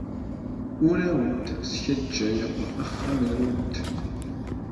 Ur awent-sgajjayeɣ axxam-nwent.